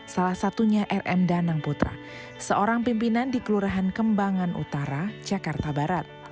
salah satunya rm danang putra seorang pimpinan di kelurahan kembangan utara jakarta barat